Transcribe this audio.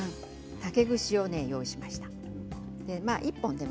竹串を用意しました。